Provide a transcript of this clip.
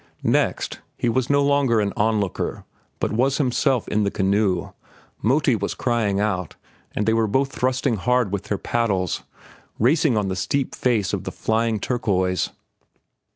Next, he was no longer an onlooker but was himself in the canoe, Moti was crying out, they were both thrusting hard with their paddles, racing on the steep face of the flying turquoise.